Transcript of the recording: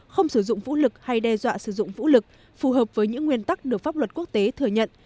không sử dụng vũ lực hay đe dọa sử dụng vũ lực phù hợp với những nguyên tắc được pháp luật quốc tế thừa nhận